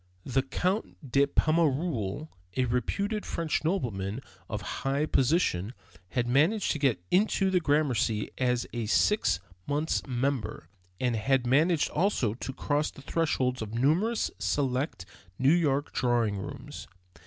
The Count de Pommereul, a reputed French nobleman of high position, had managed to get into the Gramercy as a six months' member, and had managed also to cross the thresholds of numerous select New York drawing rooms.